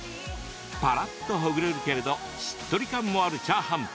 パラッと、ほぐれるけれどしっとり感もあるチャーハン。